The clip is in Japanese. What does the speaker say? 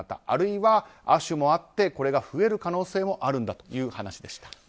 あるいは、亜種もあってこれが増える可能性もあるんだという話でした。